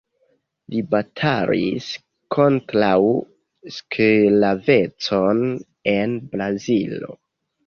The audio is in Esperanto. Li batalis kontraŭ sklavecon en Brazilo.